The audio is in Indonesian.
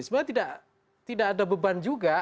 sebenarnya tidak ada beban juga